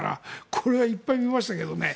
この間いっぱい見ましたけどね。